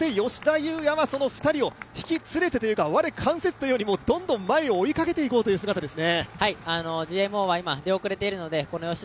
吉田祐也はその２人を引き連れてというか、我関せずどんどん前を追いかけていこうという姿ですね。